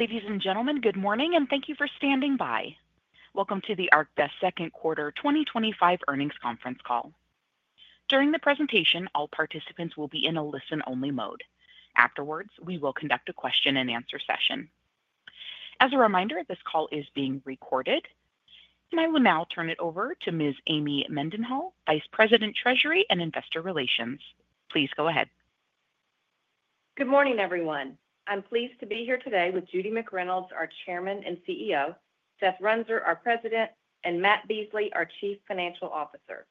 Ladies and gentlemen, good morning and thank you for standing by. Welcome to the ArcBest Second Quarter 2025 Earnings Conference Call. During the presentation, all participants will be in a listen-only mode. Afterwards, we will conduct a question and answer session. As a reminder, this call is being recorded. I will now turn it over to Ms. Amy Mendenhall, Vice President, Treasury and Investor Relations. Please go ahead. Good morning, everyone. I'm pleased to be here today with Judy McReynolds, our Chairman and CEO, Seth Runser, our President, and Matt Beasley, our Chief Financial Officer.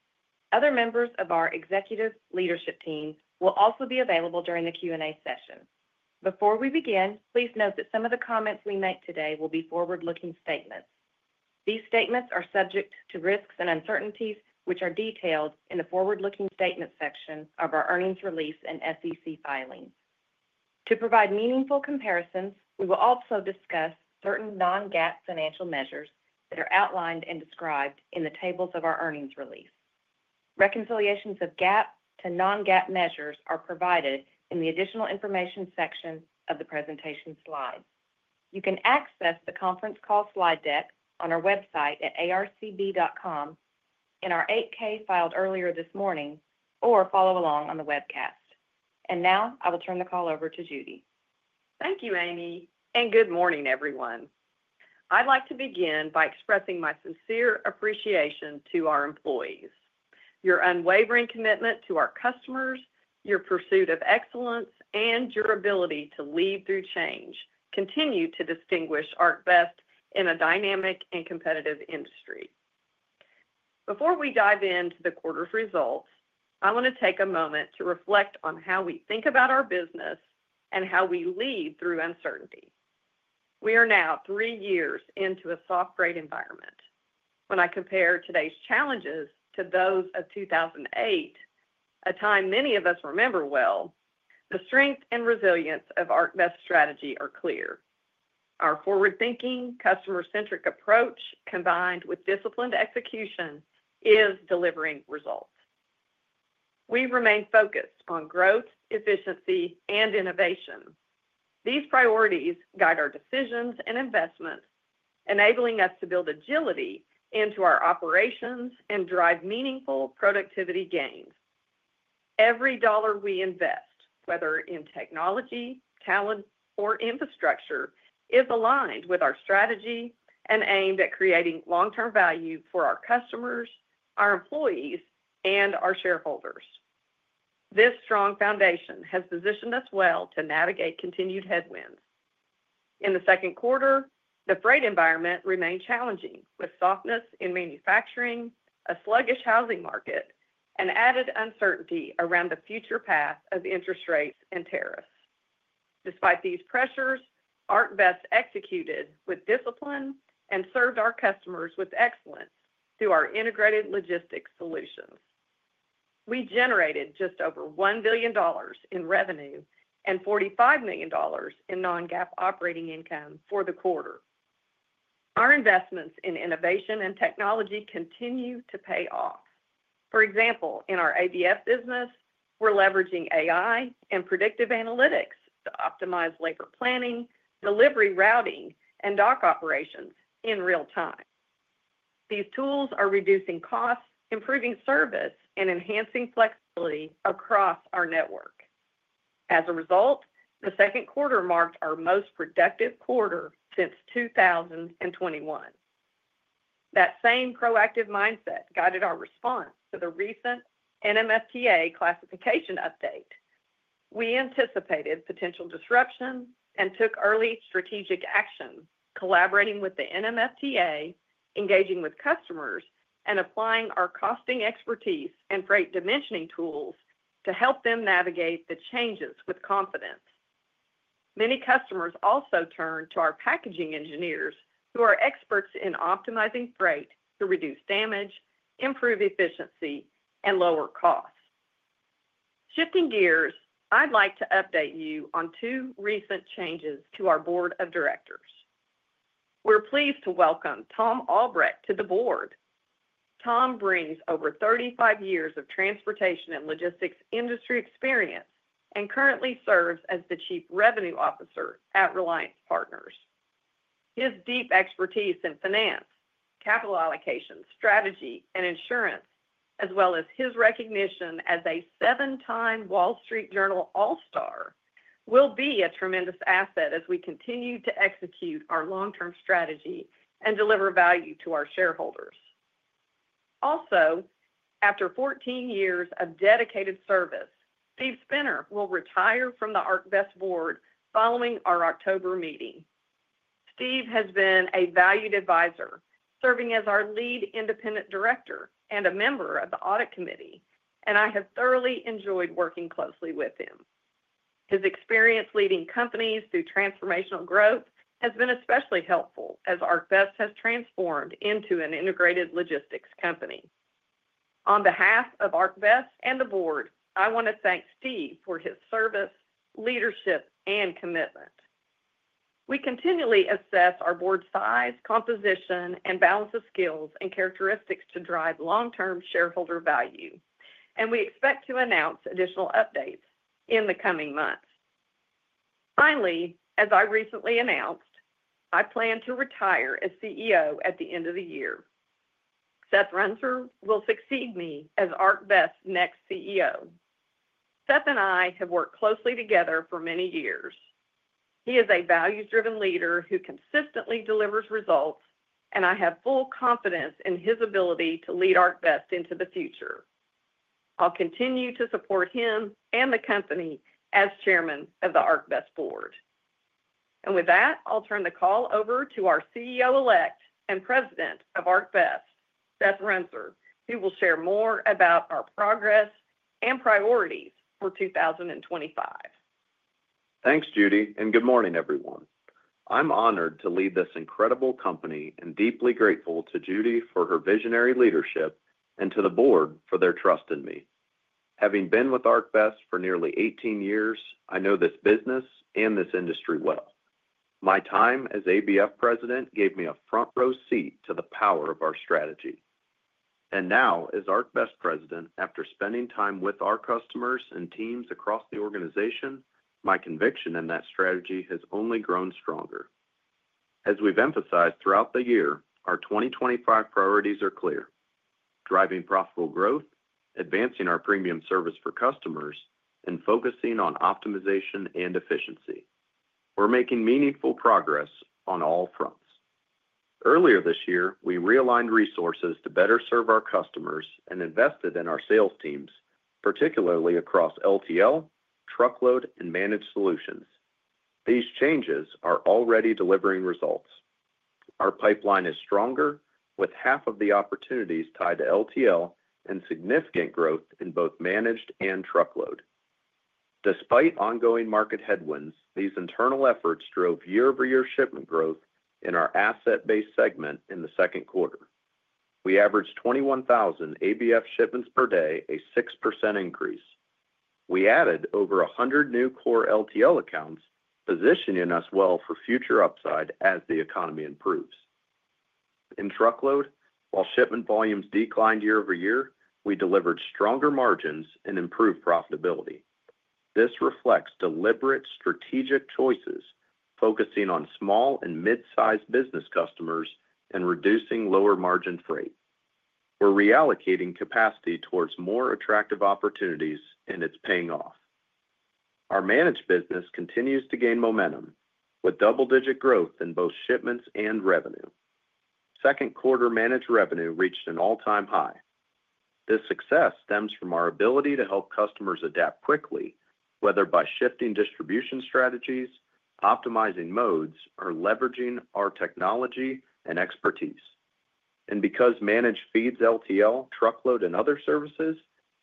Other members of our executive leadership team will also be available during the Q&A session. Before we begin, please note that some of the comments we make today will be forward-looking statements. These statements are subject to risks and uncertainties, which are detailed in the forward-looking statement section of our earnings release and SEC filing. To provide meaningful comparisons, we will also discuss certain non-GAAP financial measures that are outlined and described in the tables of our earnings release. Reconciliations of GAAP to non-GAAP measures are provided in the additional information section of the presentation slide. You can access the conference call slide deck on our website at arcb.com in our 8-K filed earlier this morning or follow along on the webcast. I will now turn the call over to Judy. Thank you, Amy, and good morning, everyone. I'd like to begin by expressing my sincere appreciation to our employees. Your unwavering commitment to our customers, your pursuit of excellence, and your ability to lead through change continue to distinguish ArcBest in a dynamic and competitive industry. Before we dive into the quarter's results, I want to take a moment to reflect on how we think about our business and how we lead through uncertainty. We are now three years into a soft-grade environment. When I compare today's challenges to those of 2008, a time many of us remember well, the strength and resilience of ArcBest's strategy are clear. Our forward-thinking, customer-centric approach, combined with disciplined execution, is delivering results. We remain focused on growth, efficiency, and innovation. These priorities guide our decisions and investments, enabling us to build agility into our operations and drive meaningful productivity gains. Every dollar we invest, whether in technology, talent, or infrastructure, is aligned with our strategy and aimed at creating long-term value for our customers, our employees, and our shareholders. This strong foundation has positioned us well to navigate continued headwinds. In the second quarter, the freight environment remained challenging, with softness in manufacturing, a sluggish housing market, and added uncertainty around the future path of interest rates and tariffs. Despite these pressures, ArcBest executed with discipline and served our customers with excellence through our integrated logistics solutions. We generated just over $1 billion in revenue and $45 million in non-GAAP operating income for the quarter. Our investments in innovation and technology continue to pay off. For example, in our ABF business, we're leveraging AI and predictive analytics to optimize labor planning, delivery routing, and dock operations in real time. These tools are reducing costs, improving service, and enhancing flexibility across our network. As a result, the second quarter marked our most productive quarter since 2021. That same proactive mindset guided our response to the recent NMFTA classification update. We anticipated potential disruption and took early strategic action, collaborating with the NMFTA, engaging with customers, and applying our costing expertise and freight dimensioning tools to help them navigate the changes with confidence. Many customers also turned to our packaging engineers, who are experts in optimizing freight to reduce damage, improve efficiency, and lower costs. Shifting gears, I'd like to update you on two recent changes to our board of directors. We're pleased to welcome Thom Albrecht to the Board. Tom brings over 35 years of transportation and logistics industry experience and currently serves as the Chief Revenue Officer at Reliance Partners. His deep expertise in finance, capital allocation, strategy, and insurance, as well as his recognition as a seven-time Wall Street Journal All Star, will be a tremendous asset as we continue to execute our long-term strategy and deliver value to our shareholders. Also, after 14 years of dedicated service, Steve Spinner will retire from the ArcBest board following our October meeting. Steve has been a valued advisor, serving as our Lead Independent Director and a member of the Audit Committee, and I have thoroughly enjoyed working closely with him. His experience leading companies through transformational growth has been especially helpful as ArcBest has transformed into an integrated logistics company. On behalf of ArcBest and the board, I want to thank Steve for his service, leadership, and commitment. We continually assess our board's size, composition, and balance of skills and characteristics to drive long-term shareholder value, and we expect to announce additional updates in the coming months. Finally, as I recently announced, I plan to retire as CEO at the end of the year. Seth Runser, who will succeed me as ArcBest's next CEO, Seth and I have worked closely together for many years. He is a values-driven leader who consistently delivers results, and I have full confidence in his ability to lead ArcBest into the future. I'll continue to support him and the company as Chairman of the ArcBest board. With that, I'll turn the call over to our CEO-elect and President of ArcBest, Seth Runser, who will share more about our progress and priorities for 2025. Thanks, Judy, and good morning, everyone. I'm honored to lead this incredible company and deeply grateful to Judy for her visionary leadership and to the board for their trust in me. Having been with ArcBest for nearly 18 years, I know this business and this industry well. My time as ABF President gave me a front-row seat to the power of our strategy. Now, as ArcBest President, after spending time with our customers and teams across the organization, my conviction in that strategy has only grown stronger. As we've emphasized throughout the year, our 2025 priorities are clear: driving profitable growth, advancing our premium service for customers, and focusing on optimization and efficiency. We're making meaningful progress on all fronts. Earlier this year, we realigned resources to better serve our customers and invested in our sales teams, particularly across LTL, truckload, and managed solutions. These changes are already delivering results. Our pipeline is stronger, with half of the opportunities tied to LTL and significant growth in both managed and truckload. Despite ongoing market headwinds, these internal efforts drove year-over-year shipment growth in our asset-based segment in the second quarter. We averaged 21,000 ABF shipments per day, a 6% increase. We added over 100 new core LTL accounts, positioning us well for future upside as the economy improves. In truckload, while shipment volumes declined year-over-year, we delivered stronger margins and improved profitability. This reflects deliberate strategic choices, focusing on small and mid-sized business customers and reducing lower margin freight. We're reallocating capacity towards more attractive opportunities, and it's paying off. Our managed business continues to gain momentum, with double-digit growth in both shipments and revenue. Second quarter managed revenue reached an all-time high. This success stems from our ability to help customers adapt quickly, whether by shifting distribution strategies, optimizing modes, or leveraging our technology and expertise. Because managed feeds LTL, truckload, and other services,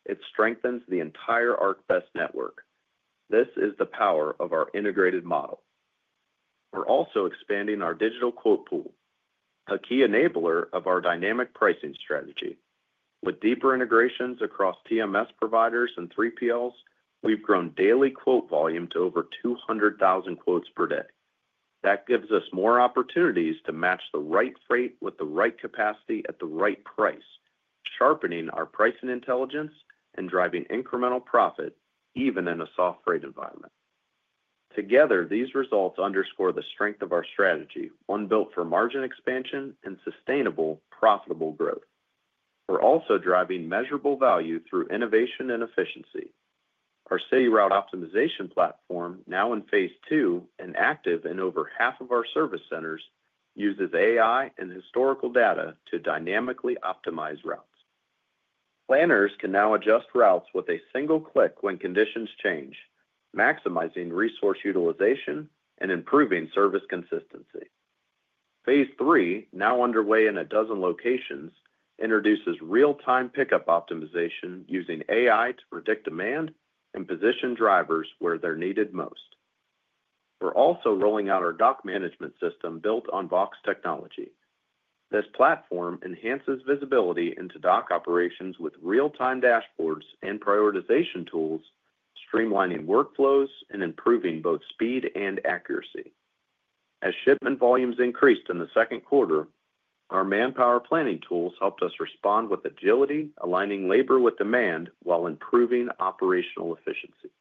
it strengthens the entire ArcBest network. This is the power of our integrated model. We're also expanding our digital quote pool, a key enabler of our dynamic pricing strategy. With deeper integrations across TMS providers and 3PLs, we've grown daily quote volume to over 200,000 quotes per day. That gives us more opportunities to match the right freight with the right capacity at the right price, sharpening our pricing intelligence and driving incremental profit, even in a soft freight environment. Together, these results underscore the strength of our strategy, one built for margin expansion and sustainable, profitable growth. We're also driving measurable value through innovation and efficiency. Our city route optimization platform, now in phase two and active in over half of our service centers, uses AI and historical data to dynamically optimize routes. Planners can now adjust routes with a single click when conditions change, maximizing resource utilization and improving service consistency. Phase III, now underway in a dozen locations, introduces real-time pickup optimization using AI to predict demand and position drivers where they're needed most. We're also rolling out our dock management system built on Vaux technology. This platform enhances visibility into dock operations with real-time dashboards and prioritization tools, streamlining workflows and improving both speed and accuracy. As shipment volumes increased in the second quarter, our manpower planning tools helped us respond with agility, aligning labor with demand while improving operational efficiency.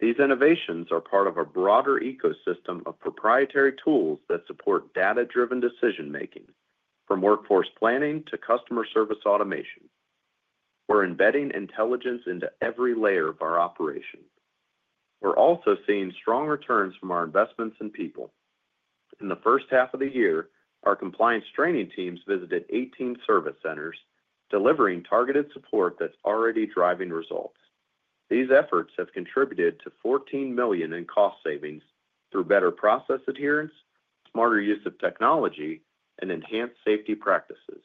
These innovations are part of a broader ecosystem of proprietary tools that support data-driven decision-making, from workforce planning to customer service automation. We're embedding intelligence into every layer of our operation. We're also seeing strong returns from our investments in people. In the first half of the year, our compliance training teams visited 18 service centers, delivering targeted support that's already driving results. These efforts have contributed to $14 million in cost savings through better process adherence, smarter use of technology, and enhanced safety practices.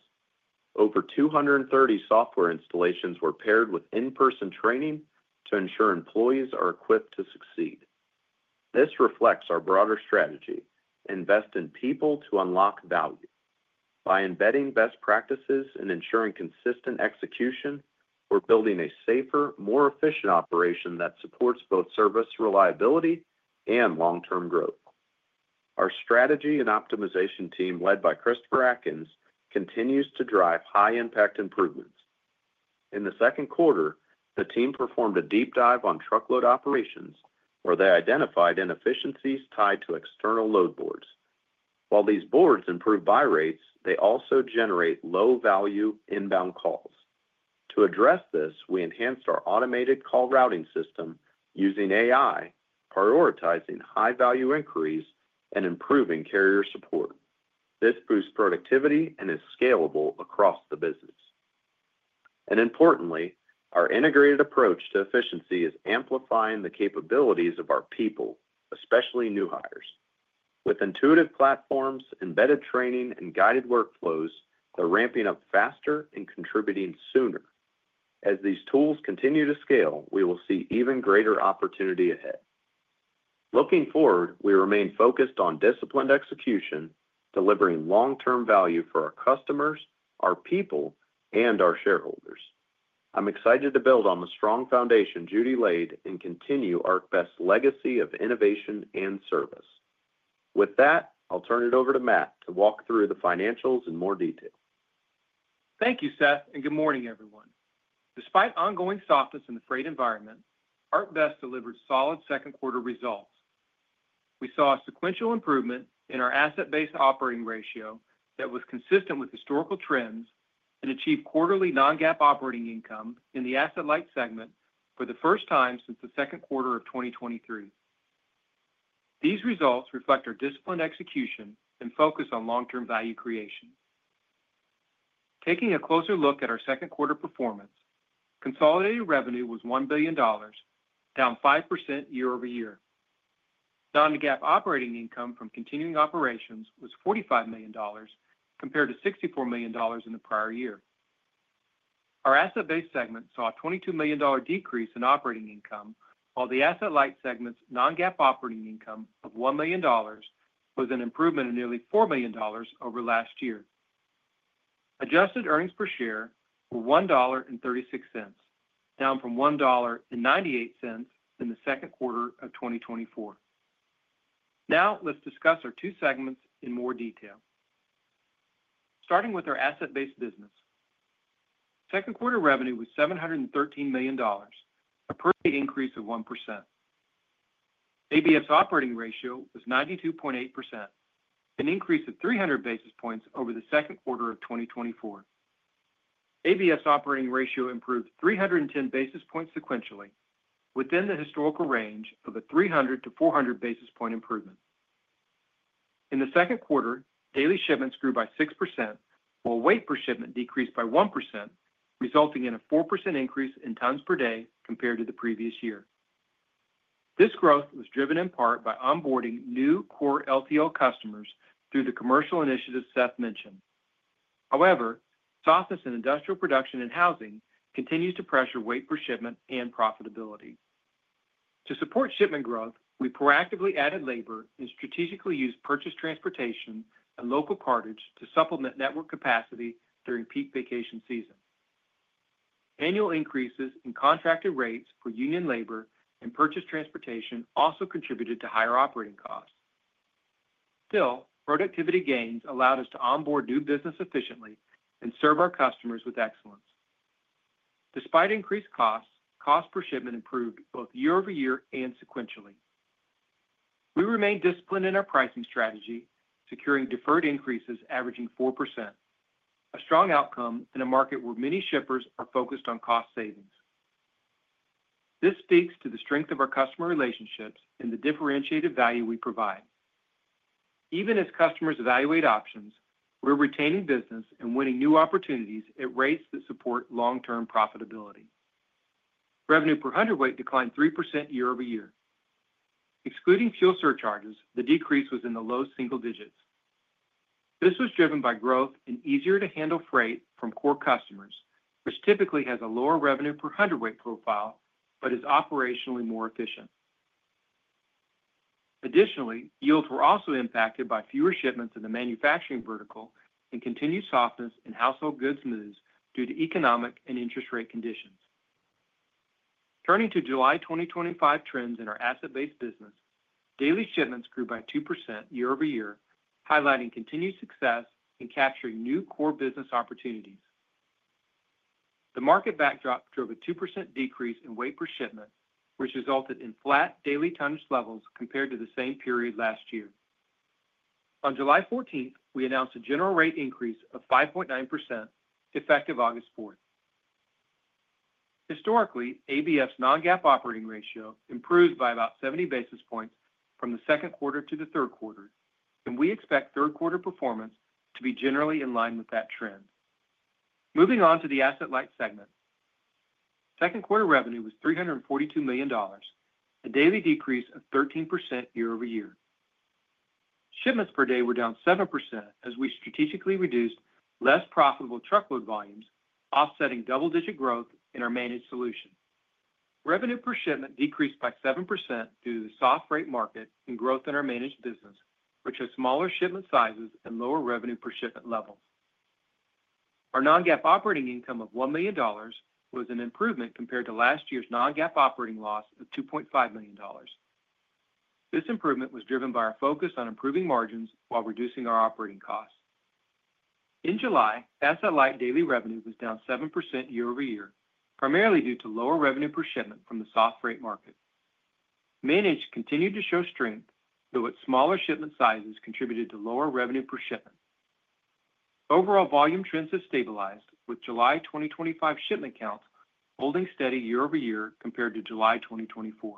Over 230 software installations were paired with in-person training to ensure employees are equipped to succeed. This reflects our broader strategy: invest in people to unlock value. By embedding best practices and ensuring consistent execution, we're building a safer, more efficient operation that supports both service reliability and long-term growth. Our strategy and optimization team, led by Christopher Adkins, continues to drive high-impact improvements. In the second quarter, the team performed a deep dive on truckload operations, where they identified inefficiencies tied to external load boards. While these boards improve buy rates, they also generate low-value inbound calls. To address this, we enhanced our automated call routing system using AI, prioritizing high-value inquiries and improving carrier support. This boosts productivity and is scalable across the business. Importantly, our integrated approach to efficiency is amplifying the capabilities of our people, especially new hires. With intuitive platforms, embedded training, and guided workflows, they're ramping up faster and contributing sooner. As these tools continue to scale, we will see even greater opportunity ahead. Looking forward, we remain focused on disciplined execution, delivering long-term value for our customers, our people, and our shareholders. I'm excited to build on the strong foundation Judy laid and continue ArcBest's legacy of innovation and service. With that, I'll turn it over to Matt to walk through the financials in more detail. Thank you, Seth, and good morning everyone. Despite ongoing softness in the freight environment, ArcBest delivered solid second-quarter results. We saw a sequential improvement in our asset-based operating ratio that was consistent with historical trends and achieved quarterly non-GAAP operating income in the asset-light segment for the first time since the second quarter of 2023. These results reflect our disciplined execution and focus on long-term value creation. Taking a closer look at our second-quarter performance, consolidated revenue was $1 billion, down 5% year-over-year. Non-GAAP operating income from continuing operations was $45 million, compared to $64 million in the prior year. Our asset-based segment saw a $22 million decrease in operating income, while the asset-light segment's non-GAAP operating income of $1 million was an improvement of nearly $4 million over last year. Adjusted earnings per share were $1.36, down from $1.98 in the second quarter of 2024. Now, let's discuss our two segments in more detail, starting with our asset-based business. Second quarter revenue was $713 million, a per day increase of 1%. ABF operating ratio was 92.8%, an increase of 300 basis points over the second quarter of 2024. ABF operating ratio improved 310 basis points sequentially, within the historical range of a 300-400 basis point improvement. In the second quarter, daily shipments grew by 6%, while weight per shipment decreased by 1%, resulting in a 4% increase in tons per day compared to the previous year. This growth was driven in part by onboarding new core LTL customers through the commercial initiatives Seth mentioned. However, softness in industrial production and housing continues to pressure weight per shipment and profitability. To support shipment growth, we proactively added labor and strategically used purchased transportation and local carriage to supplement network capacity during peak vacation season. Annual increases in contracted rates for union labor and purchased transportation also contributed to higher operating costs. Still, productivity gains allowed us to onboard new business efficiently and serve our customers with excellence. Despite increased costs, cost per shipment improved both year-over-year and sequentially. We remain disciplined in our pricing strategy, securing deferred increases averaging 4%, a strong outcome in a market where many shippers are focused on cost savings. This speaks to the strength of our customer relationships and the differentiated value we provide. Even as customers evaluate options, we're retaining business and winning new opportunities at rates that support long-term profitability. Revenue per hundredweight declined 3% year-over-year. Excluding fuel surcharges, the decrease was in the low single-digits. This was driven by growth and easier-to-handle freight from core customers, which typically has a lower revenue per hundredweight profile but is operationally more efficient. Additionally, yields were also impacted by fewer shipments in the manufacturing vertical and continued softness in household goods moves due to economic and interest rate conditions. Turning to July 2025 trends in our asset-based business, daily shipments grew by 2% year-over-year, highlighting continued success and capturing new core business opportunities. The market backdrop drove a 2% decrease in weight per shipment, which resulted in flat daily tonnage levels compared to the same period last year. On July 14, we announced a general rate increase of 5.9% effective August 4. Historically, ABF non-GAAP operating ratio improved by about 70 basis points from the second quarter to the third quarter, and we expect third-quarter performance to be generally in line with that trend. Moving on to the asset-light segment, second quarter revenue was $342 million, a daily decrease of 13% year-over-year. Shipments per day were down 7% as we strategically reduced less profitable truckload volumes, offsetting double-digit growth in our managed solutions. Revenue per shipment decreased by 7% due to the soft freight market and growth in our managed business, which has smaller shipment sizes and lower revenue per shipment levels. Our non-GAAP operating income of $1 million was an improvement compared to last year's non-GAAP operating loss of $2.5 million. This improvement was driven by our focus on improving margins while reducing our operating costs. In July, asset-light daily revenue was down 7% year-over-year, primarily due to lower revenue per shipment from the soft freight market. Managed continued to show strength, though its smaller shipment sizes contributed to lower revenue per shipment. Overall volume trends have stabilized, with July 2025 shipment counts holding steady year-over-year compared to July 2024.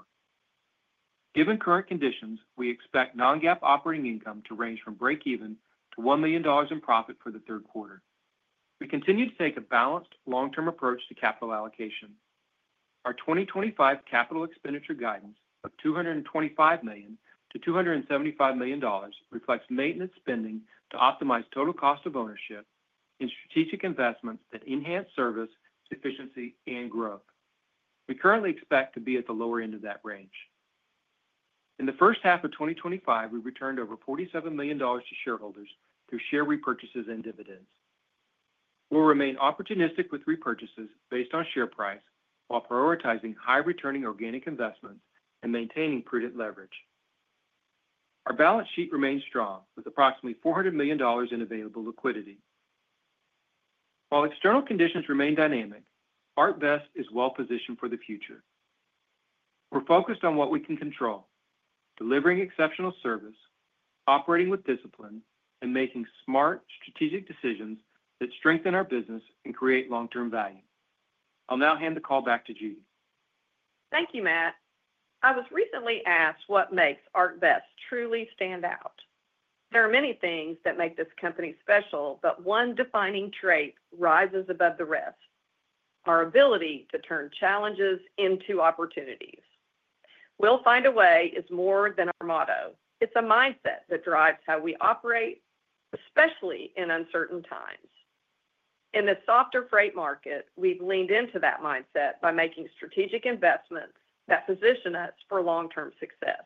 Given current conditions, we expect non-GAAP operating income to range from breakeven to $1 million in profit for the third quarter. We continue to take a balanced, long-term approach to capital allocation. Our 2025 capital expenditure guidance of $225 million-$275 million reflects maintenance spending to optimize total cost of ownership and strategic investments that enhance service, efficiency, and growth. We currently expect to be at the lower end of that range. In the first half of 2025, we returned over $47 million to shareholders through share repurchases and dividends. We'll remain opportunistic with repurchases based on share price while prioritizing high-returning organic investments and maintaining prudent leverage. Our balance sheet remains strong, with approximately $400 million in available liquidity. While external conditions remain dynamic, ArcBest is well-positioned for the future. We're focused on what we can control: delivering exceptional service, operating with discipline, and making smart, strategic decisions that strengthen our business and create long-term value. I'll now hand the call back to Judy. Thank you, Matt. I was recently asked what makes ArcBest truly stand out. There are many things that make this company special, but one defining trait rises above the rest: our ability to turn challenges into opportunities. "We'll find a way" is more than our motto. It's a mindset that drives how we operate, especially in uncertain times. In the softer freight market, we've leaned into that mindset by making strategic investments that position us for long-term success.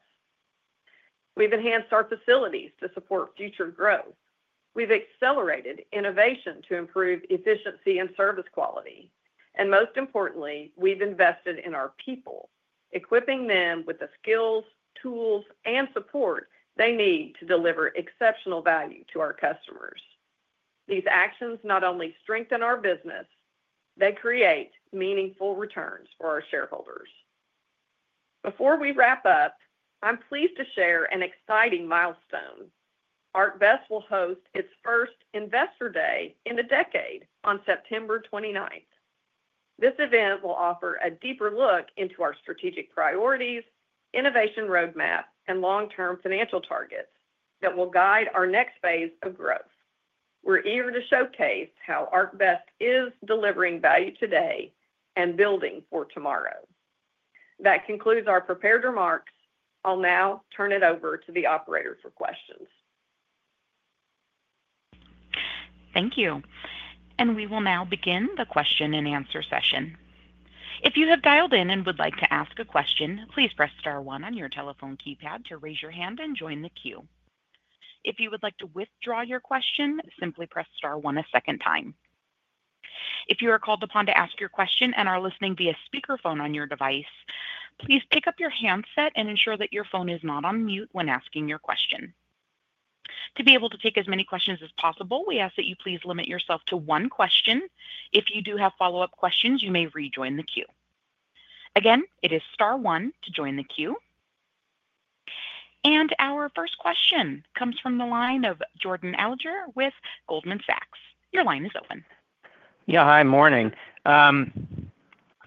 We've enhanced our facilities to support future growth. We've accelerated innovation to improve efficiency and service quality. Most importantly, we've invested in our people, equipping them with the skills, tools, and support they need to deliver exceptional value to our customers. These actions not only strengthen our business, they create meaningful returns for our shareholders. Before we wrap up, I'm pleased to share an exciting milestone: ArcBest will host its first Investor Day in the decade on September 29. This event will offer a deeper look into our strategic priorities, innovation roadmap, and long-term financial targets that will guide our next phase of growth. We're eager to showcase how ArcBest is delivering value today and building for tomorrow. That concludes our prepared remarks. I'll now turn it over to the operator for questions. Thank you. We will now begin the question and answer session. If you have dialed in and would like to ask a question, please press star one on your telephone keypad to raise your hand and join the queue. If you would like to withdraw your question, simply press star one a second time. If you are called upon to ask your question and are listening via speakerphone on your device, please pick up your handset and ensure that your phone is not on mute when asking your question. To be able to take as many questions as possible, we ask that you please limit yourself to one question. If you do have follow-up questions, you may rejoin the queue. Again, it is star one to join the queue. Our first question comes from the line of Jordan Alliger with Goldman Sachs. Your line is open. Yeah, hi, morning.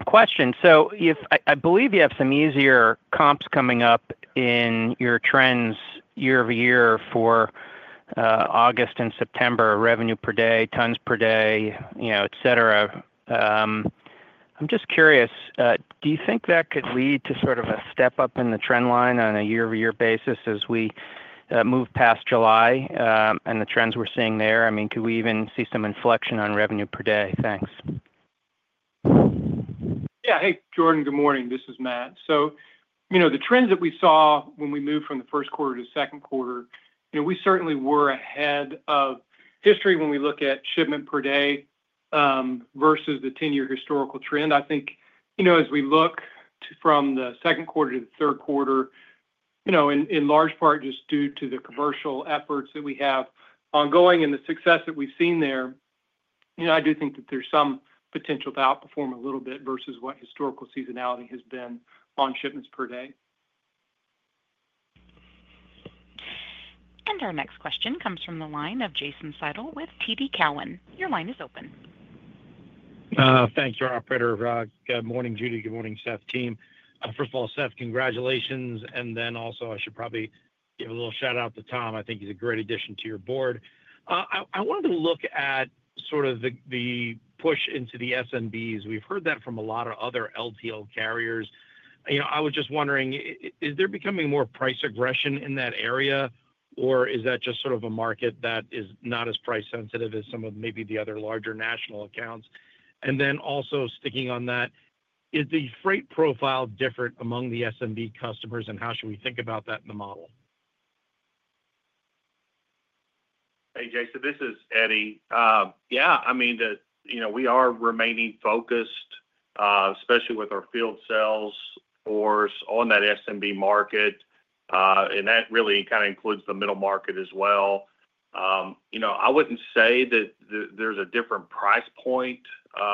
Question. I believe you have some easier comps coming up in your trends year-over-year for August and September, revenue per day, tons per day, you know, etc. I'm just curious, do you think that could lead to sort of a step up in the trend line on a year-over-year basis as we move past July and the trends we're seeing there? I mean, could we even see some inflection on revenue per day? Thanks. Yeah, hey, Jordan, good morning. This is Matt. The trends that we saw when we moved from the first quarter to the second quarter, we certainly were ahead of history when we look at shipment per day versus the 10-year historical trend. I think as we look from the second quarter to the third quarter, in large part just due to the commercial efforts that we have ongoing and the success that we've seen there, I do think that there's some potential to outperform a little bit versus what historical seasonality has been on shipments per day. Our next question comes from the line of Jason Seidl with TD Cowen. Your line is open. Thanks, your operator. Good morning, Judy. Good morning, Seth team. First of all, Seth, congratulations. I should probably give a little shout out to Tom. I think he's a great addition to your board. I wanted to look at sort of the push into the SMBs. We've heard that from a lot of other LTL carriers. I was just wondering, is there becoming more price aggression in that area, or is that just sort of a market that is not as price sensitive as some of maybe the other larger national accounts? Also, sticking on that, is the freight profile different among the SMB customers and how should we think about that in the model? Hey, Jason, this is Eddie. Yeah, I mean, we are remaining focused, especially with our field sales force on that SMB market. That really kind of includes the middle market as well. I wouldn't say that there's a different price point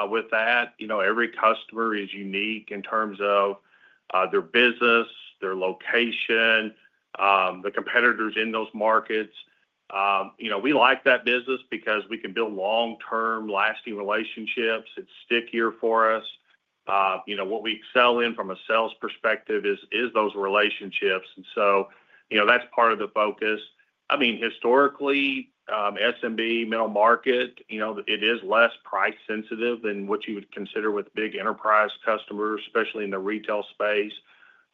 with that. Every customer is unique in terms of their business, their location, the competitors in those markets. We like that business because we can build long-term, lasting relationships. It's stickier for us. What we excel in from a sales perspective is those relationships, and that's part of the focus. Historically, SMB middle market is less price sensitive than what you would consider with big enterprise customers, especially in the retail space.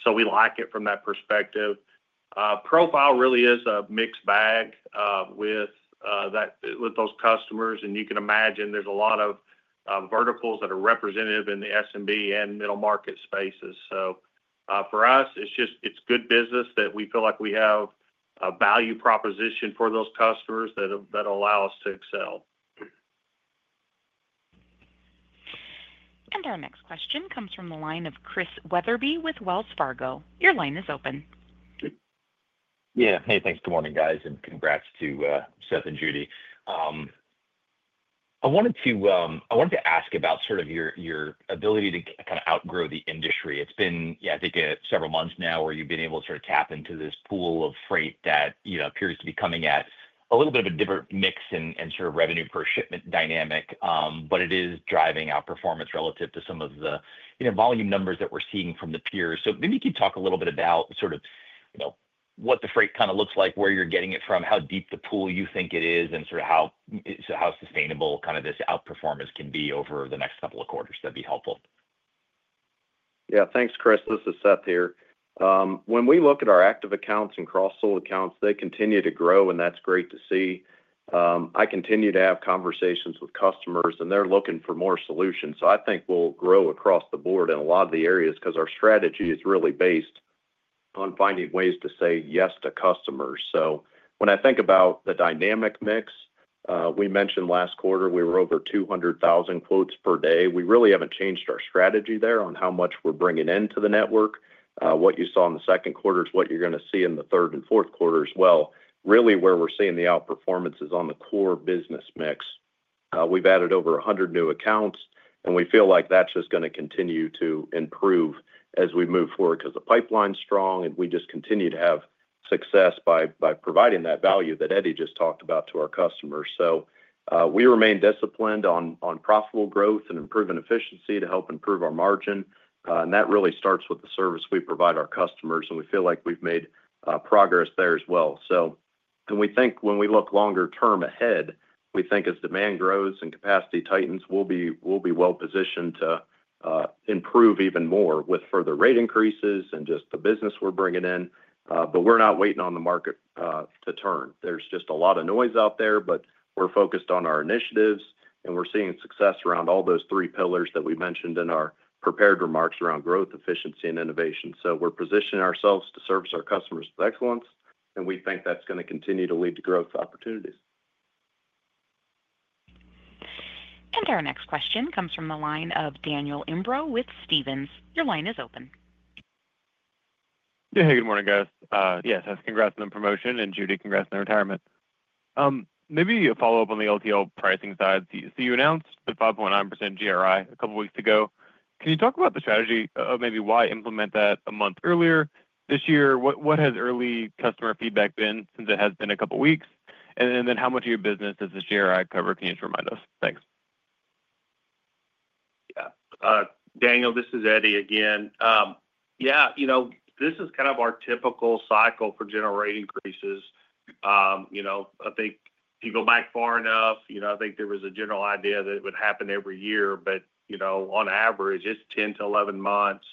We like it from that perspective. Profile really is a mixed bag with those customers, and you can imagine there's a lot of verticals that are representative in the SMB and middle market spaces. For us, it's just good business that we feel like we have a value proposition for those customers that allow us to excel. Our next question comes from the line of Chris Wetherbee with Wells Fargo. Your line is open. Yeah, hey, thanks. Good morning, guys, and congrats to Seth and Judy. I wanted to ask about your ability to kind of outgrow the industry. It's been, yeah, I think several months now where you've been able to tap into this pool of freight that appears to be coming at a little bit of a different mix and revenue per shipment dynamic. It is driving outperformance relative to some of the volume numbers that we're seeing from the peers. Maybe you can talk a little bit about what the freight looks like, where you're getting it from, how deep the pool you think it is, and how sustainable this outperformance can be over the next couple of quarters. That'd be helpful. Yeah, thanks, Chris. This is Seth here. When we look at our active accounts and cross-sold accounts, they continue to grow, and that's great to see. I continue to have conversations with customers, and they're looking for more solutions. I think we'll grow across the board in a lot of the areas because our strategy is really based on finding ways to say yes to customers. When I think about the dynamic mix, we mentioned last quarter we were over 200,000 quotes per day. We really haven't changed our strategy there on how much we're bringing into the network. What you saw in the second quarter is what you're going to see in the third and fourth quarter as well. Really, where we're seeing the outperformance is on the core business mix. We've added over 100 new accounts, and we feel like that's just going to continue to improve as we move forward because the pipeline's strong and we just continue to have success by providing that value that Eddie just talked about to our customers. We remain disciplined on profitable growth and improving efficiency to help improve our margin. That really starts with the service we provide our customers, and we feel like we've made progress there as well. We think when we look longer term ahead, we think as demand grows and capacity tightens, we'll be well positioned to improve even more with further rate increases and just the business we're bringing in. We're not waiting on the market to turn. There's just a lot of noise out there, but we're focused on our initiatives, and we're seeing success around all those three pillars that we mentioned in our prepared remarks around growth, efficiency, and innovation. We're positioning ourselves to service our customers with excellence, and we think that's going to continue to lead to growth opportunities. Our next question comes from the line of Daniel Imbro with Stephens. Your line is open. Yeah, hey, good morning, guys. Yeah, Seth, congrats on the promotion and Judy, congrats on the retirement. Maybe a follow-up on the LTL pricing side. You announced the 5.9% GRI a couple of weeks ago. Can you talk about the strategy of maybe why implement that a month earlier this year? What has early customer feedback been since it has been a couple of weeks? How much of your business does this GRI cover? Can you just remind us? Thanks. Yeah, Daniel, this is Eddie again. This is kind of our typical cycle for generating increases. I think if you go back far enough, I think there was a general idea that it would happen every year, but on average, it's 10-11 months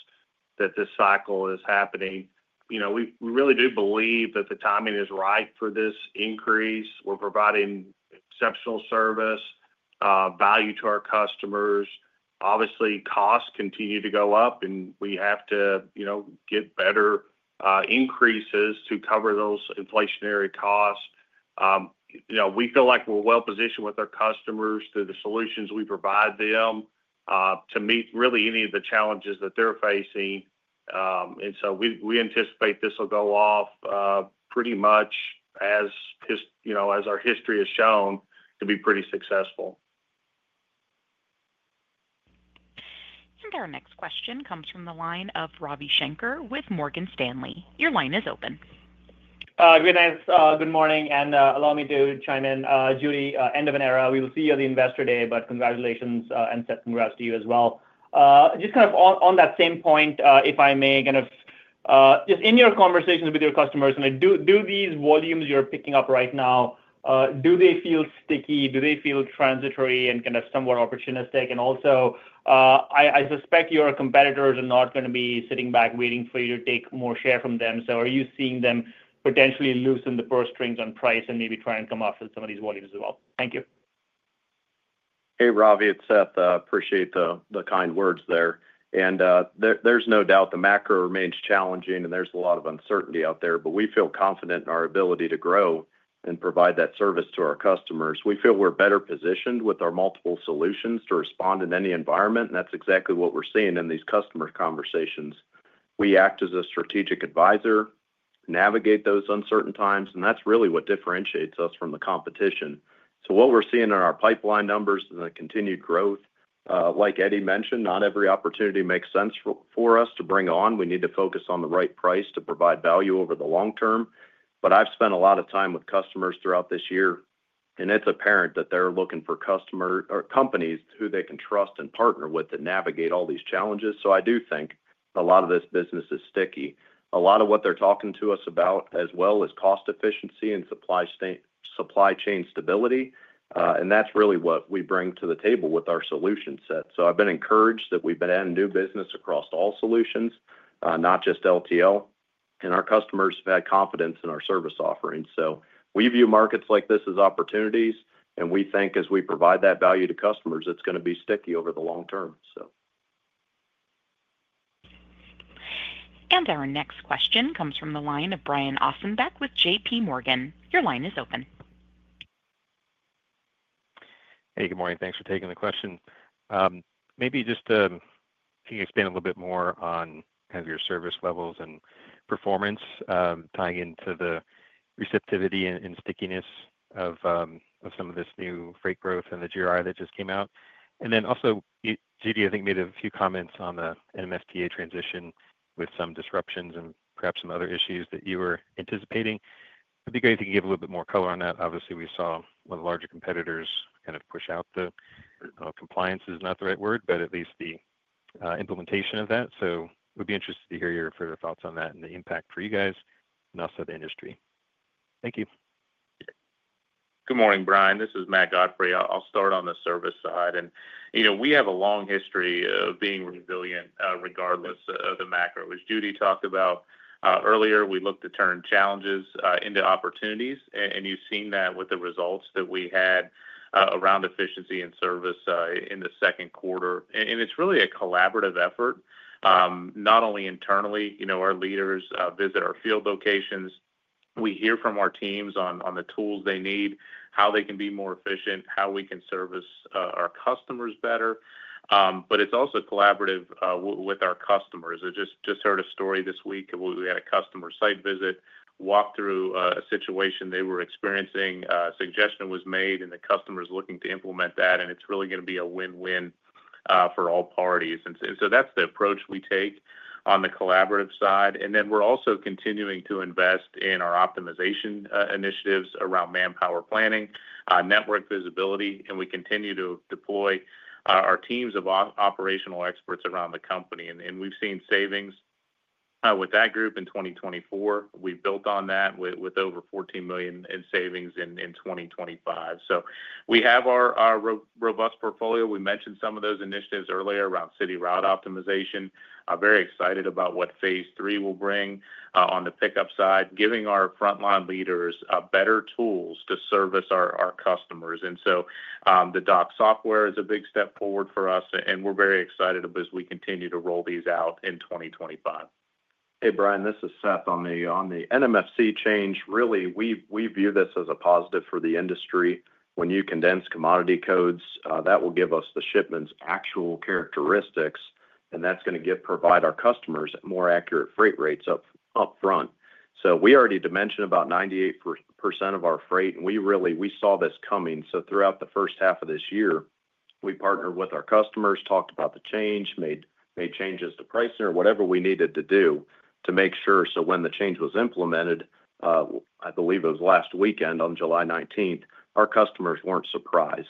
that this cycle is happening. We really do believe that the timing is right for this increase. We're providing exceptional service, value to our customers. Obviously, costs continue to go up, and we have to get better increases to cover those inflationary costs. We feel like we're well positioned with our customers through the solutions we provide them to meet really any of the challenges that they're facing. We anticipate this will go off pretty much as our history has shown to be pretty successful. Our next question comes from the line of Ravi Shanker with Morgan Stanley. Your line is open. Good morning, and allow me to chime in. Judy, end of an era. We will see you at the Investor Day, but congratulations and congrats to you as well. Just on that same point, if I may, in your conversations with your customers, do these volumes you're picking up right now, do they feel sticky? Do they feel transitory and somewhat opportunistic? I suspect your competitors are not going to be sitting back waiting for you to take more share from them. Are you seeing them potentially loosen the purse strings on price and maybe try and come up with some of these volumes as well? Thank you. Hey, Ravi, it's Seth. I appreciate the kind words there. There's no doubt the macro remains challenging, and there's a lot of uncertainty out there, but we feel confident in our ability to grow and provide that service to our customers. We feel we're better positioned with our multiple solutions to respond in any environment, and that's exactly what we're seeing in these customer conversations. We act as a strategic advisor, navigate those uncertain times, and that's really what differentiates us from the competition. What we're seeing in our pipeline numbers and the continued growth, like Eddie mentioned, not every opportunity makes sense for us to bring on. We need to focus on the right price to provide value over the long term. I've spent a lot of time with customers throughout this year, and it's apparent that they're looking for companies who they can trust and partner with to navigate all these challenges. I do think a lot of this business is sticky. A lot of what they're talking to us about as well is cost efficiency and supply chain stability, and that's really what we bring to the table with our solution set. I've been encouraged that we've been adding new business across all solutions, not just less-than-truckload (LTL), and our customers have had confidence in our service offerings. We view markets like this as opportunities, and we think as we provide that value to customers, it's going to be sticky over the long term. Our next question comes from the line of Brian Ossenbeck with JPMorgan. Your line is open. Hey, good morning. Thanks for taking the question. Maybe just can you expand a little bit more on kind of your service levels and performance tying into the receptivity and stickiness of some of this new freight growth and the GRI that just came out? Also, Judy, I think you made a few comments on the NMFTA transition with some disruptions and perhaps some other issues that you were anticipating. It'd be great if you could give a little bit more color on that. Obviously, we saw one of the larger competitors kind of push out the compliance is not the right word, but at least the implementation of that. We'd be interested to hear your further thoughts on that and the impact for you guys and also the industry. Thank you. Good morning, Brian. This is Matt Godfrey. I'll start on the service side. We have a long history of being resilient regardless of the macro. As Judy talked about earlier, we look to turn challenges into opportunities, and you've seen that with the results that we had around efficiency and service in the second quarter. It's really a collaborative effort, not only internally. Our leaders visit our field locations. We hear from our teams on the tools they need, how they can be more efficient, how we can service our customers better. It's also collaborative with our customers. I just heard a story this week of where we had a customer site visit, walked through a situation they were experiencing, a suggestion was made, and the customer is looking to implement that, and it's really going to be a win-win for all parties. That's the approach we take on the collaborative side. We're also continuing to invest in our optimization initiatives around manpower planning, network visibility, and we continue to deploy our teams of operational experts around the company. We've seen savings with that group in 2024. We built on that with over $14 million in savings in 2025. We have our robust portfolio. We mentioned some of those initiatives earlier around city route optimization. I'm very excited about what phase three will bring on the pickup side, giving our frontline leaders better tools to service our customers. The dock software is a big step forward for us, and we're very excited as we continue to roll these out in 2025. Hey, Brian, this is Seth on the NMFC change. Really, we view this as a positive for the industry. When you condense commodity codes, that will give us the shipment's actual characteristics, and that's going to provide our customers more accurate freight rates up front. We already mentioned about 98% of our freight, and we really saw this coming. Throughout the first half of this year, we partnered with our customers, talked about the change, made changes to pricing or whatever we needed to do to make sure when the change was implemented, I believe it was last weekend on July 19, our customers weren't surprised.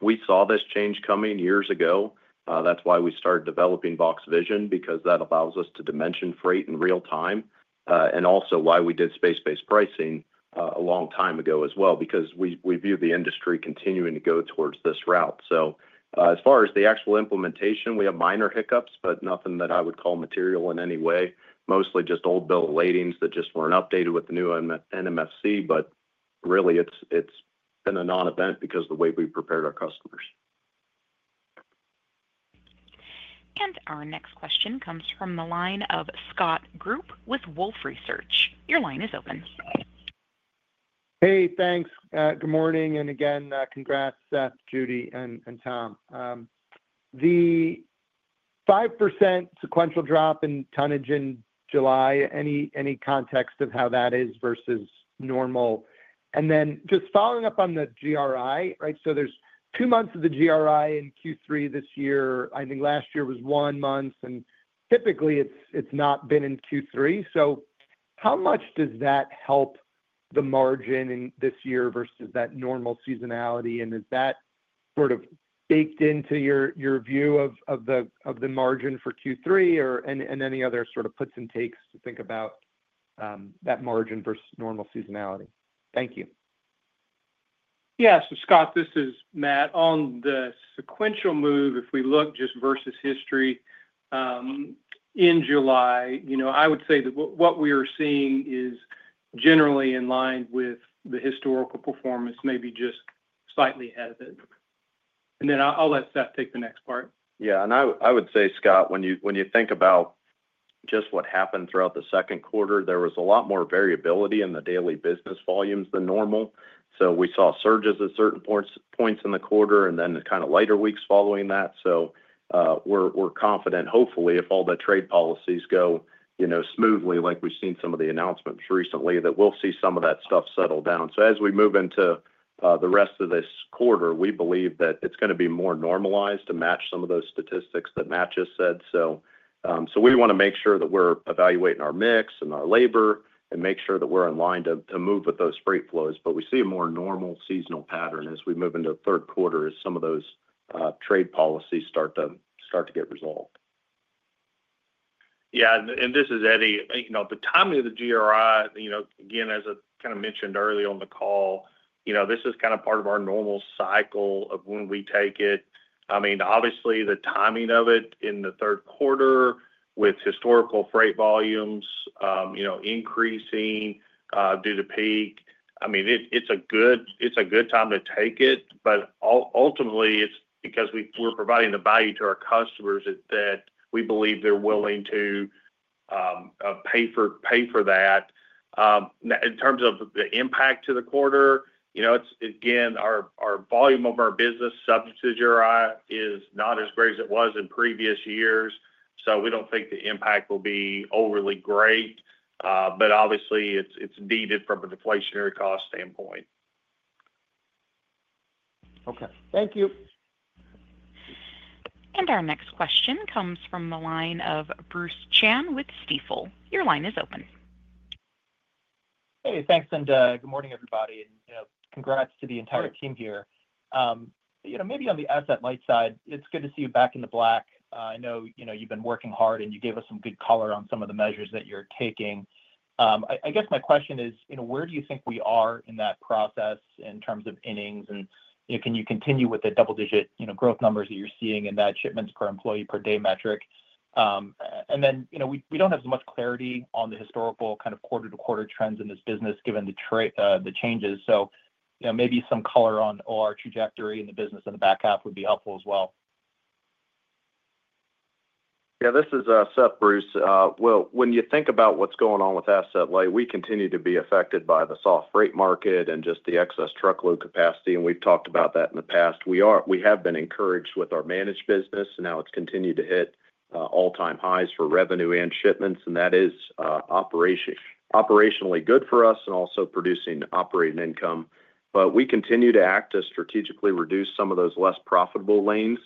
We saw this change coming years ago. That's why we started developing Vaux Vision because that allows us to dimension freight in real time. Also, that's why we did space-based pricing a long time ago as well, because we view the industry continuing to go towards this route. As far as the actual implementation, we have minor hiccups, but nothing that I would call material in any way. Mostly just old bill of ladings that just weren't updated with the new NMFC. Really, it's been a non-event because of the way we prepared our customers. Our next question comes from the line of Scott Group with Wolfe Research. Your line is open. Hey, thanks. Good morning. And again, congrats, Seth, Judy, and Tom. The 5% sequential drop in tonnage in July, any context of how that is versus normal? Just following up on the GRI, right? There are two months of the GRI in Q3 this year. I think last year was one month, and typically, it's not been in Q3. How much does that help the margin in this year versus that normal seasonality? Is that sort of baked into your view of the margin for Q3 and any other sort of puts and takes to think about that margin versus normal seasonality? Thank you. Yeah. So Scott, this is Matt. On the sequential move, if we look just versus history in July, I would say that what we are seeing is generally in line with the historical performance, maybe just slightly ahead of it. I'll let Seth take the next part. Yeah. I would say, Scott, when you think about just what happened throughout the second quarter, there was a lot more variability in the daily business volumes than normal. We saw surges at certain points in the quarter and then kind of later weeks following that. We're confident, hopefully, if all the trade policies go smoothly, like we've seen some of the announcements recently, that we'll see some of that stuff settle down. As we move into the rest of this quarter, we believe that it's going to be more normalized to match some of those statistics that Matt just said. We want to make sure that we're evaluating our mix and our labor and make sure that we're in line to move with those freight flows. We see a more normal seasonal pattern as we move into the third quarter as some of those trade policies start to get resolved. Yeah. This is Eddie. The timing of the GRI, as I mentioned earlier on the call, is part of our normal cycle of when we take it. Obviously, the timing of it in the third quarter with historical freight volumes increasing due to peak, it's a good time to take it. Ultimately, it's because we're providing the value to our customers that we believe they're willing to pay for. In terms of the impact to the quarter, our volume of business subject to the GRI is not as great as it was in previous years. We don't think the impact will be overly great. Obviously, it's needed from an inflationary cost standpoint. Okay, thank you. Our next question comes from the line of Bruce Chan with Stifel. Your line is open. Hey, thanks. Good morning, everybody. Congrats to the entire team here. Maybe on the asset-light side, it's good to see you back in the black. I know you've been working hard, and you gave us some good color on some of the measures that you're taking. My question is, where do you think we are in that process in terms of innings? Can you continue with the double-digit growth numbers that you're seeing in that shipments per employee per day metric? We don't have as much clarity on the historical kind of quarter-to-quarter trends in this business given the changes. Maybe some color on OR trajectory in the business in the back half would be helpful as well. Yeah, this is Seth, Bruce. When you think about what's going on with asset-light, we continue to be affected by the soft freight market and just the excess truckload capacity. We've talked about that in the past. We have been encouraged with our managed business, and now it's continued to hit all-time highs for revenue and shipments. That is operationally good for us and also producing operating income. We continue to act to strategically reduce some of those less profitable lanes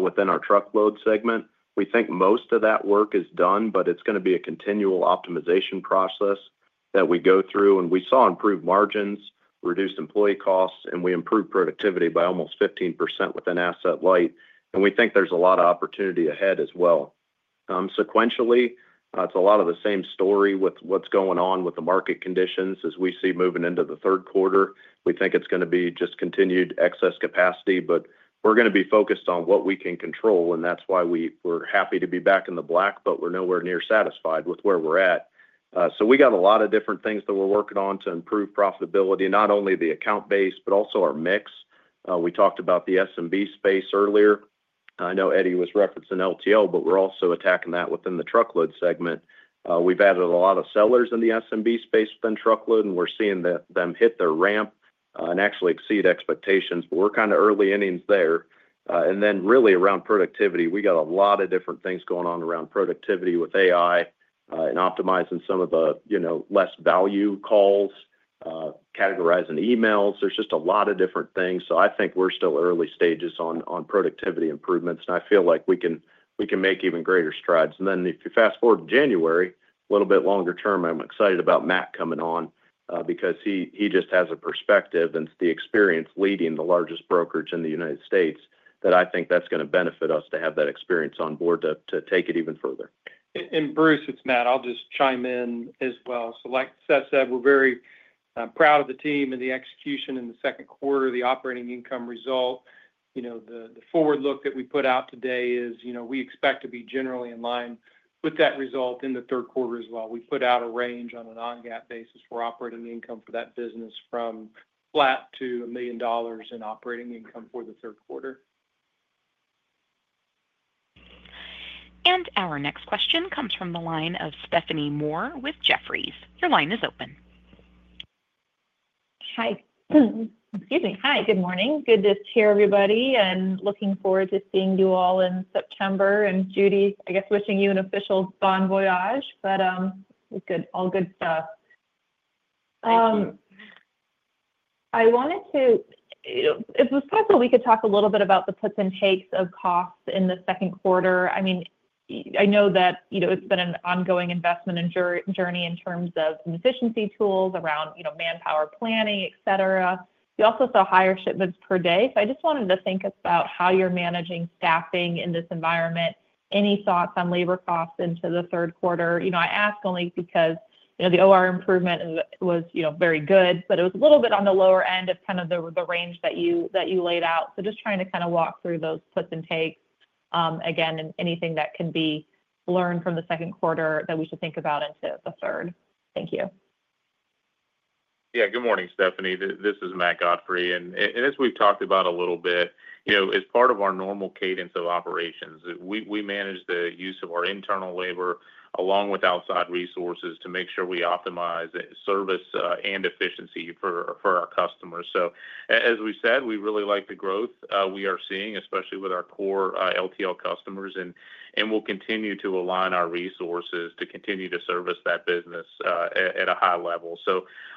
within our truckload segment. We think most of that work is done, but it's going to be a continual optimization process that we go through. We saw improved margins, reduced employee costs, and we improved productivity by almost 15% within asset-light. We think there's a lot of opportunity ahead as well. Sequentially, it's a lot of the same story with what's going on with the market conditions as we see moving into the third quarter. We think it's going to be just continued excess capacity, but we're going to be focused on what we can control. That's why we're happy to be back in the black, but we're nowhere near satisfied with where we're at. We got a lot of different things that we're working on to improve profitability, not only the account base, but also our mix. We talked about the SMB space earlier. I know Eddie was referencing LTL, but we're also attacking that within the truckload segment. We've added a lot of sellers in the SMB space within truckload, and we're seeing them hit their ramp and actually exceed expectations. We're kind of early inning there. Around productivity, we got a lot of different things going on around productivity with AI and optimizing some of the less value calls, categorizing emails. There's just a lot of different things. I think we're still early stages on productivity improvements, and I feel like we can make even greater strides. If you fast forward to January, a little bit longer term, I'm excited about Matt coming on because he just has a perspective and the experience leading the largest brokerage in the United States that I think that's going to benefit us to have that experience on board to take it even further. Bruce, it's Matt. I'll just chime in as well. Like Seth said, we're very proud of the team and the execution in the second quarter, the operating income result. The forward look that we put out today is, you know, we expect to be generally in line with that result in the third quarter as well. We put out a range on a non-GAAP basis for operating income for that business from flat to $1 million in operating income for the third quarter. Our next question comes from the line of Stephanie Moore with Jefferies. Your line is open. Hi. Good morning. Good to hear everybody. Looking forward to seeing you all in September. Judy, I guess, wishing you an official bon voyage, but it's good. All good stuff. I wanted to, if it was possible, we could talk a little bit about the puts and takes of costs in the second quarter. I know that it's been an ongoing investment and journey in terms of efficiency tools around manpower planning, etc. We also saw higher shipments per day. I just wanted to think about how you're managing staffing in this environment. Any thoughts on labor costs into the third quarter? I ask only because the OR improvement was very good, but it was a little bit on the lower end of kind of the range that you laid out. Just trying to kind of walk through those puts and takes again, and anything that can be learned from the second quarter that we should think about into the third. Thank you. Yeah, good morning, Stephanie. This is Matt Godfrey. As we've talked about a little bit, as part of our normal cadence of operations, we manage the use of our internal labor along with outside resources to make sure we optimize service and efficiency for our customers. As we said, we really like the growth we are seeing, especially with our core LTL customers, and we'll continue to align our resources to continue to service that business at a high level.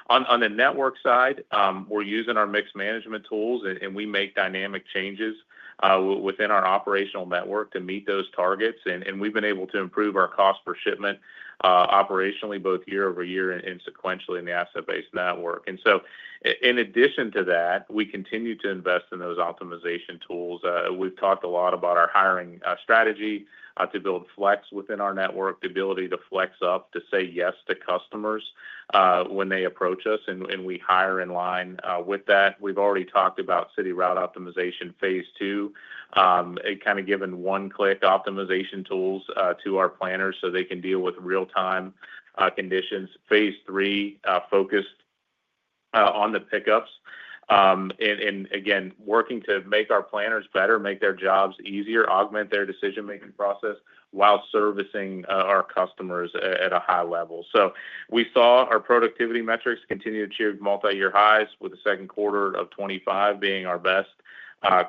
On the network side, we're using our mixed management tools, and we make dynamic changes within our operational network to meet those targets. We've been able to improve our cost per shipment operationally both year-over-year and sequentially in the asset-based network. In addition to that, we continue to invest in those optimization tools. We've talked a lot about our hiring strategy to build flex within our network, the ability to flex up to say yes to customers when they approach us, and we hire in line with that. We've already talked about city route optimization phase two, kind of giving one-click optimization tools to our planners so they can deal with real-time conditions. Phase III focused on the pickups and, again, working to make our planners better, make their jobs easier, augment their decision-making process while servicing our customers at a high level. We saw our productivity metrics continue to achieve multi-year highs with the second quarter of 2025 being our best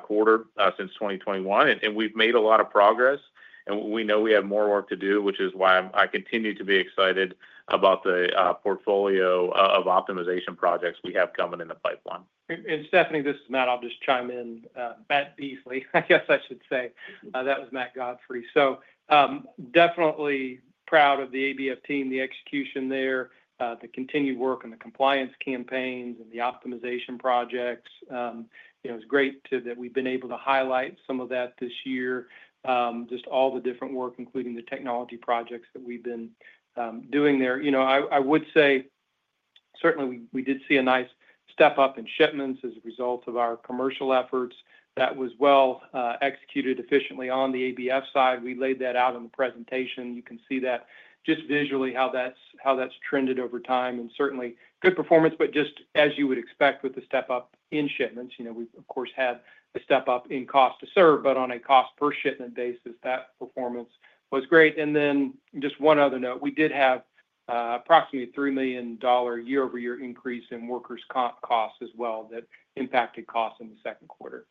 quarter since 2021. We've made a lot of progress, and we know we have more work to do, which is why I continue to be excited about the portfolio of optimization projects we have coming in the pipeline. Stephanie, this is Matt. I'll just chime in, Matt Beasley, I guess I should say. That was Matt Godfrey. Definitely proud of the ABF team, the execution there, the continued work on the compliance campaigns and the optimization projects. It's great that we've been able to highlight some of that this year, just all the different work, including the technology projects that we've been doing there. I would say certainly we did see a nice step up in shipments as a result of our commercial efforts that was well executed efficiently on the ABF side. We laid that out in the presentation. You can see that just visually how that's trended over time and certainly good performance, just as you would expect with the step up in shipments. We, of course, had a step up in cost to serve, but on a cost per shipment basis, that performance was great. One other note, we did have approximately a $3 million year-over-year increase in workers' comp costs as well that impacted costs in the second quarter.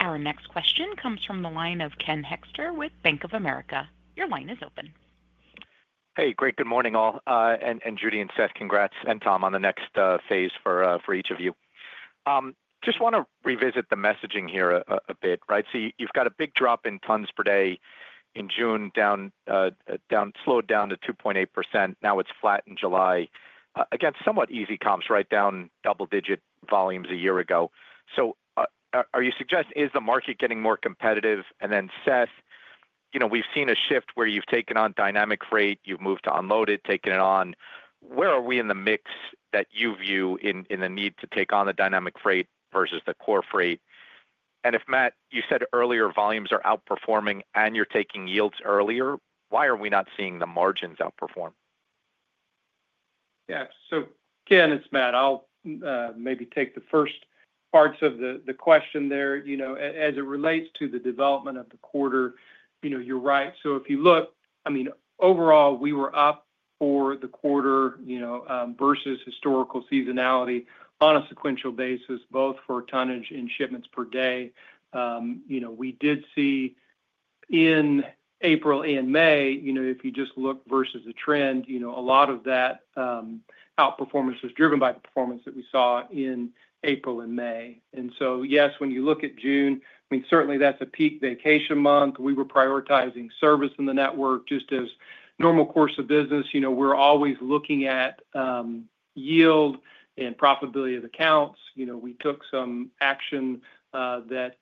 Our next question comes from the line of Ken Hoexter with Bank of America. Your line is open. Great. Good morning all. Judy and Seth, congrats, and Tom on the next phase for each of you. I just want to revisit the messaging here a bit, right? You've got a big drop in tons per day in June, slowed down to 2.8%. Now it's flat in July. Again, somewhat easy comps, right, down double-digit volumes a year ago. Are you suggesting, is the market getting more competitive? Seth, we've seen a shift where you've taken on dynamic freight. You've moved to unloaded, taken it on. Where are we in the mix that you view in the need to take on the dynamic freight versus the core freight? Matt, you said earlier volumes are outperforming and you're taking yields earlier, why are we not seeing the margins outperform? Yeah. It's Matt. I'll maybe take the first parts of the question there. As it relates to the development of the quarter, you're right. If you look, overall, we were up for the quarter versus historical seasonality on a sequential basis, both for tonnage and shipments per day. We did see in April and May, if you just look versus the trend, a lot of that outperformance was driven by performance that we saw in April and May. Yes, when you look at June, certainly that's a peak vacation month. We were prioritizing service in the network just as a normal course of business. We're always looking at yield and profitability of accounts. We took some action that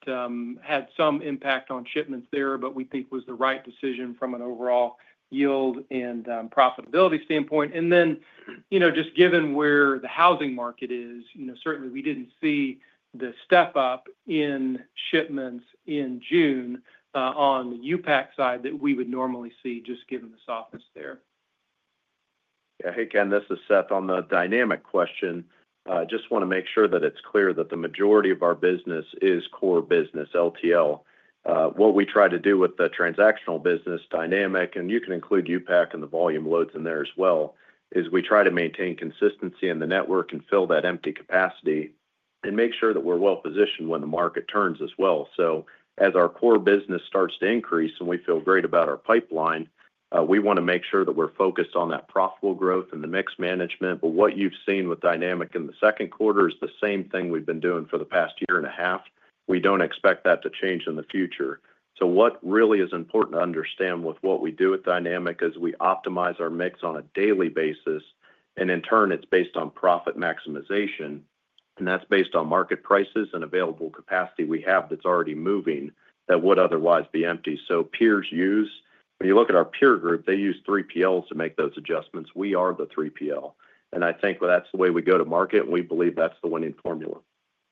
had some impact on shipments there, but we think was the right decision from an overall yield and profitability standpoint. Just given where the housing market is, certainly we didn't see the step up in shipments in June on the U-Pack side that we would normally see just given the softness there. Yeah. Hey, Ken, this is Seth on the dynamic question. I just want to make sure that it's clear that the majority of our business is core business, LTL. What we try to do with the transactional business dynamic, and you can include U-Pack and the volume loads in there as well, is we try to maintain consistency in the network and fill that empty capacity and make sure that we're well positioned when the market turns as well. As our core business starts to increase and we feel great about our pipeline, we want to make sure that we're focused on that profitable growth and the mix management. What you've seen with dynamic in the second quarter is the same thing we've been doing for the past year and a half. We don't expect that to change in the future. What really is important to understand with what we do with dynamic is we optimize our mix on a daily basis, and in turn, it's based on profit maximization. That's based on market prices and available capacity we have that's already moving that would otherwise be empty. When you look at our peer group, they use 3PLs to make those adjustments. We are the 3PL. I think that's the way we go to market, and we believe that's the winning formula.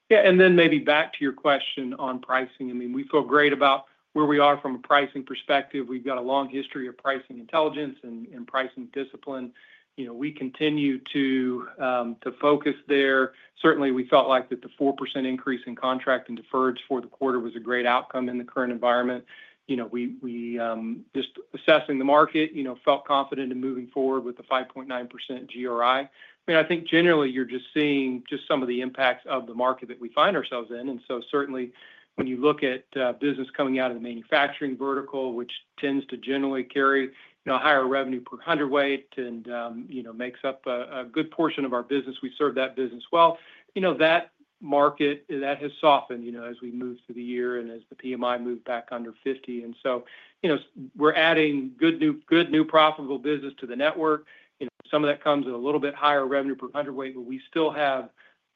Yeah. Maybe back to your question on pricing. I mean, we feel great about where we are from a pricing perspective. We've got a long history of pricing intelligence and pricing discipline. We continue to focus there. Certainly, we felt like the 4% increase in contract and deferreds for the quarter was a great outcome in the current environment. We are just assessing the market and felt confident in moving forward with the 5.9% GRI. I think generally you're just seeing some of the impacts of the market that we find ourselves in. Certainly, when you look at business coming out of the manufacturing vertical, which tends to generally carry a higher revenue per hundredweight and makes up a good portion of our business, we serve that business well. That market has softened as we move through the year and as the PMI moved back under 50. We are adding good new, good new profitable business to the network. Some of that comes at a little bit higher revenue per hundredweight, but we still have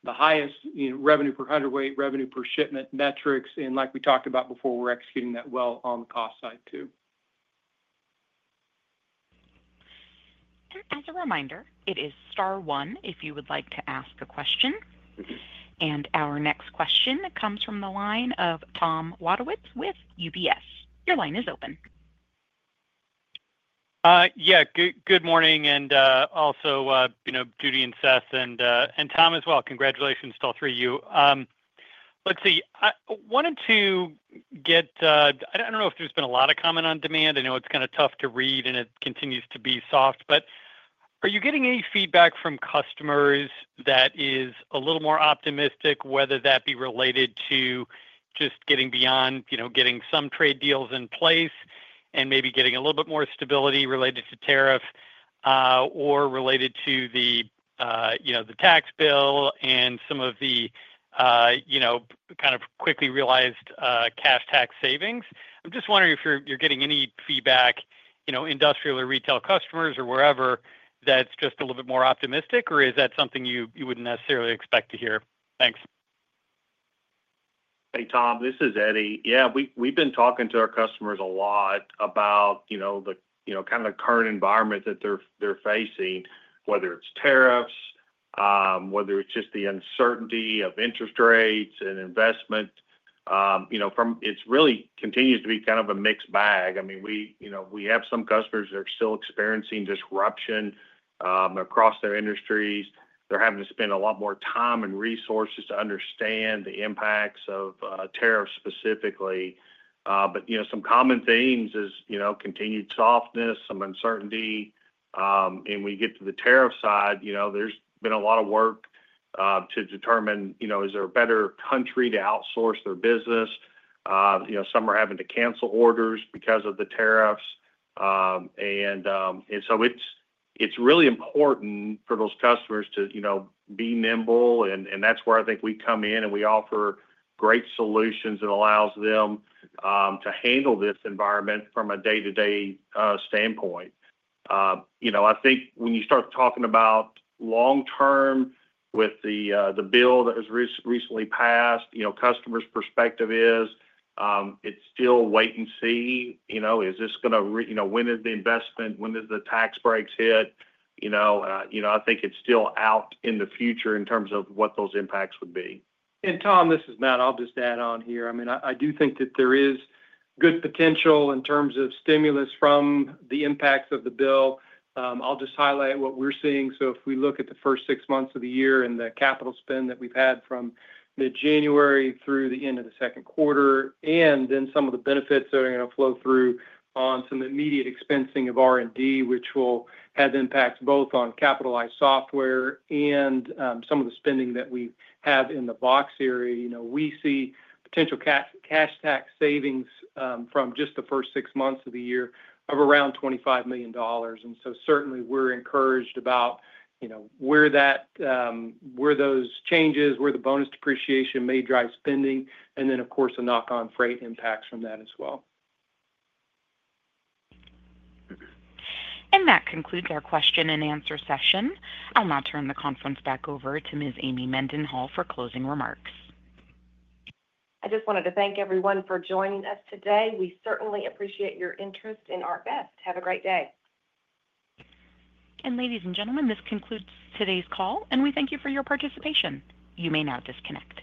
the highest revenue per hundredweight, revenue per shipment metrics. Like we talked about before, we're executing that well on the cost side too. As a reminder, it is star one if you would like to ask a question. Our next question comes from the line of Tom Wadewitz with UBS. Your line is open. Good morning. Also, Judy and Seth and Tom as well, congratulations to all three of you. I wanted to get, I don't know if there's been a lot of comment on demand. I know it's kind of tough to read and it continues to be soft. Are you getting any feedback from customers that is a little more optimistic, whether that be related to just getting beyond getting some trade deals in place and maybe getting a little bit more stability related to tariff or related to the tax bill and some of the quickly realized cash tax savings? I'm just wondering if you're getting any feedback, industrial or retail customers or wherever, that's just a little bit more optimistic, or is that something you wouldn't necessarily expect to hear? Thanks. Hey, Tom. This is Eddie. We've been talking to our customers a lot about the current environment that they're facing, whether it's tariffs or just the uncertainty of interest rates and investment. It really continues to be kind of a mixed bag. We have some customers that are still experiencing disruption across their industries. They're having to spend a lot more time and resources to understand the impacts of tariffs specifically. Some common themes are continued softness and some uncertainty. When you get to the tariff side, there's been a lot of work to determine if there is a better country to outsource their business. Some are having to cancel orders because of the tariffs. It's really important for those customers to be nimble. That's where I think we come in and we offer great solutions and allow them to handle this environment from a day-to-day standpoint. I think when you start talking about long term with the bill that was recently passed, customers' perspective is it's still wait and see. Is this going to, when is the investment, when do the tax breaks hit? I think it's still out in the future in terms of what those impacts would be. Tom, this is Matt. I'll just add on here. I do think that there is good potential in terms of stimulus from the impacts of the bill. I'll just highlight what we're seeing. If we look at the first six months of the year and the capital spend that we've had from mid-January through the end of the second quarter, and then some of the benefits that are going to flow through on some immediate expensing of R&D, which will have impacts both on capitalized software and some of the spending that we have in the Vaux area, we see potential cash tax savings from just the first six months of the year of around $25 million. Certainly, we're encouraged about where those changes, where the bonus depreciation may drive spending, and then, of course, the knock-on freight impacts from that as well. That concludes our question and answer session. I'll now turn the conference back over to Ms. Amy Mendenhall for closing remarks. I just wanted to thank everyone for joining us today. We certainly appreciate your interest in ArcBest. Have a great day. Ladies and gentlemen, this concludes today's call, and we thank you for your participation. You may now disconnect.